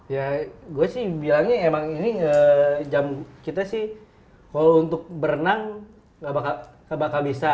ya gue sih bilangnya emang ini jam kita sih kalau untuk berenang gak bakal bisa